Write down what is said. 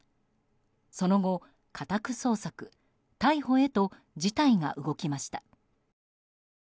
その後、家宅捜索逮捕へと事態が動きました。